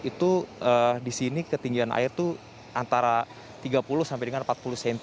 itu di sini ketinggian air itu antara tiga puluh sampai dengan empat puluh cm